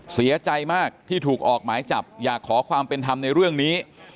เสียใจมากที่ถูกออกหมายจับอยากขอความเป็นธรรมในเรื่องนี้